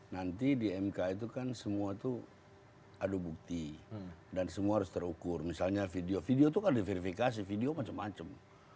nanti di mk itu kan semua itu adu bukti dan semua harus terukur misalnya video video itu kan diverifikasi video macam macam